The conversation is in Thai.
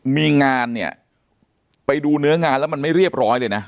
มีงานเนี่ยไปดูเนื้องานแล้วมันไม่เรียบร้อยเลยนะ